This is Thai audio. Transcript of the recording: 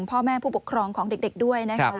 พ่อแม่ผู้ปกครองของเด็กด้วยนะครับ